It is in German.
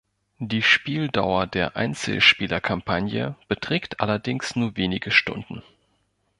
Die Spieldauer der Einzelspielerkampagne beträgt allerdings nur wenige Stunden.